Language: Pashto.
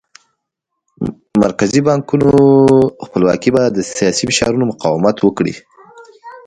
مرکزي بانکونو خپلواکي به د سیاسي فشارونو مقاومت وکړي.